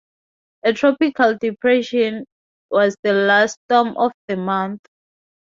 A tropical depression was the last storm of the month.